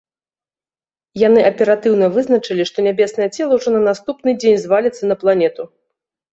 Яны аператыўна вызначылі, што нябеснае цела ўжо на наступны дзень зваліцца на планету.